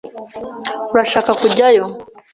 Urashaka kujyayo?